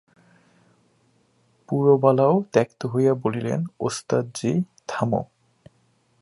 পুরবালাও ত্যক্ত হইয়া বলিলেন, ওস্তাদজি, থামো!